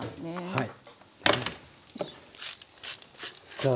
はい。